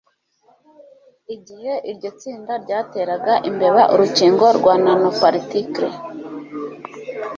Igihe iryo tsinda ryateraga imbeba urukingo rwa nanoparticle,